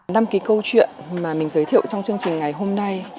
năm cái câu chuyện mà mình giới thiệu trong chương trình ngày hôm nay